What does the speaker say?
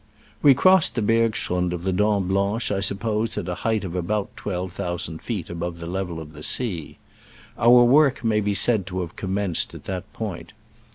We crossed the bergschrund of the Dent Blanche, I suppose, at a height of about twelve thousand feet above the level of the sea. Our work may be said to have commenced at that point.